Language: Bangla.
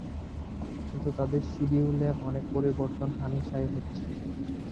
কিন্তু তাঁদের শিডিউলে অনেক পরিবর্তন হামেশাই হচ্ছে।